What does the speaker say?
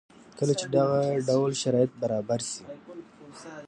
کله چې دغه ډول شرایط برابر شي